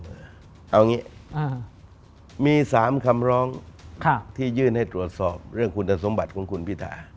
เอาอย่างนี้มี๓คำร้องที่ยื่นให้ตรวจสอบเรื่องคุณสมบัติของคุณพิธา